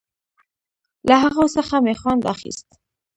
له هغو څخه مې خوند اخيست.